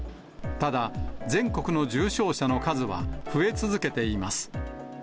ただ、全国の重症者の数は増え続けています。